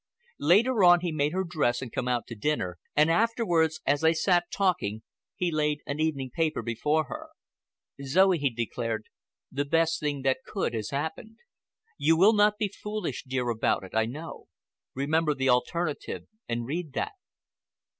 Later on he made her dress and come out to dinner, and afterwards, as they sat talking, he laid an evening paper before her. "Zoe," he declared, "the best thing that could has happened. You will not be foolish, dear, about it, I know. Remember the alternative—and read that."